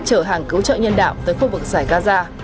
chở hàng cứu trợ nhân đạo tới khu vực giải gaza